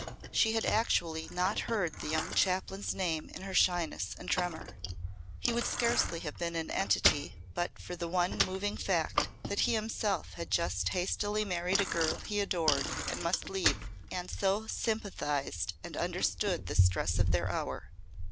She had actually not heard the young chaplain's name in her shyness and tremor. He would scarcely have been an entity but for the one moving fact that he himself had just hastily married a girl he adored and must leave, and so sympathised and understood the stress of their hour.